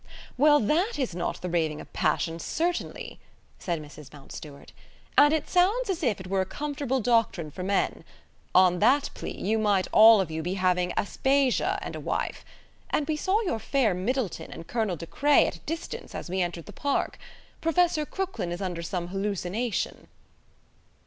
"Well, that is not the raving of passion, certainly," said Mrs Mountstuart, "and it sounds as if it were a comfortable doctrine for men. On that plea, you might all of you be having Aspasia and a wife. We saw your fair Middleton and Colonel de Craye at a distance as we entered the park. Professor Crooklyn is under some hallucination."